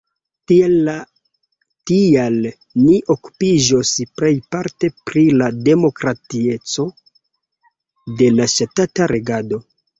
Tial ni okupiĝos plejparte pri la demokratieco de la ŝtata regado.